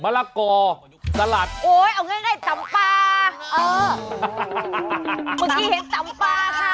เมื่อกี้เห็นตำปลาค่ะ